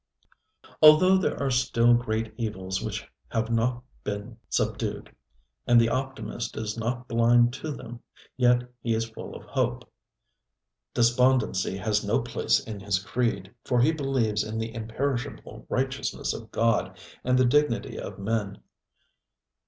Although there are still great evils which have not been subdued, and the optimist is not blind to them, yet he is full of hope. Despondency has no place in his creed, for he believes in the imperishable righteousness of God and the dignity of man.